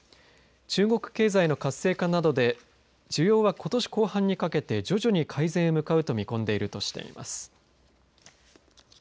中国経済の活性化などで需要はことし後半にかけて徐々に改善へ向かうと見込んでいるとしています。